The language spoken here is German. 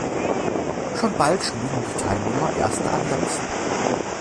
Schon bald schmieden die Teilnehmer erste Allianzen.